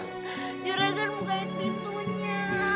juragan bukain pintunya